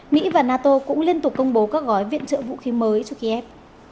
mỹ và nato cũng liên tục công bố các gói viện trợ vũ khí mới cho kiev